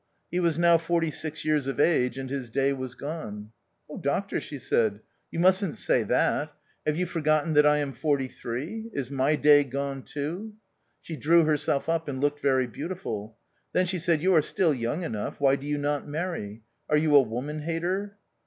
He was now forty six years of age, and his day was gone. " Oh doctor," she said, "you musn't say that. Have you for THE OUTCAST. 63 gotten I am forty three ? Is my day gone too?" She drew herself up and looked very beautiful. Then she said, "you are still young enough, why do you not marry ? Are you a woman hater?"